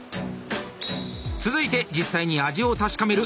続いて実際に味を確かめる「食味審査」。